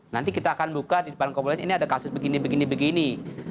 nanti kita akan buka di depan kompolnas ini ada kasus begini begini begini